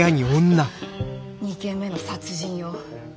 ２件目の殺人よ。